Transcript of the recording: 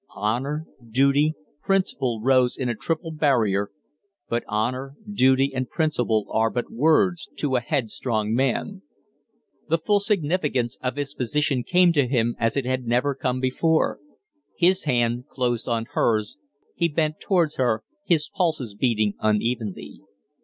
Honor, duty, principle rose in a triple barrier; but honor, duty, and principle are but words to a headstrong man. The full significance of his position came to him as it had never come before. His hand closed on hers; he bent towards her, his pulses beating unevenly.